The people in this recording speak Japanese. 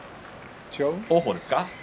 王鵬ですか？